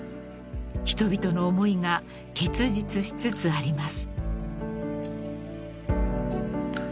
［人々の思いが結実しつつあります］